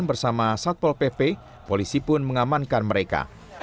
bersama satpol pp polisi pun mengamankan mereka